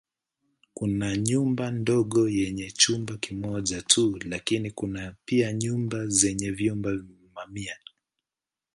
Kuna nyumba ndogo yenye chumba kimoja tu lakini kuna pia nyumba zenye vyumba mamia.